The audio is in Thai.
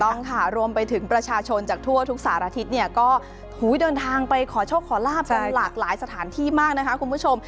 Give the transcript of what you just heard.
ต้องค่ะรวมไปถึงประชาชนจากทั่วทุกสารทิศเนี่ยก็เดินทางไปขอโชคขอลาบกันหลากหลายสถานที่มากนะคะคุณผู้ชม